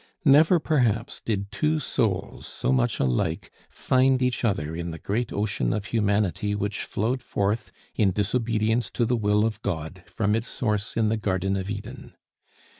Never, perhaps, did two souls, so much alike, find each other in the great ocean of humanity which flowed forth, in disobedience to the will of God, from its source in the Garden of Eden.